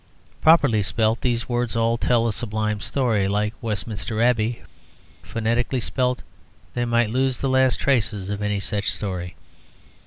Properly spelt, these words all tell a sublime story, like Westminster Abbey. Phonetically spelt, they might lose the last traces of any such story.